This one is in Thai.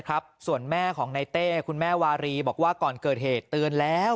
ครับส่วนแม่ของในเต้คุณแม่วารีบอกว่าก่อนเกิดเหตุเตือนแล้ว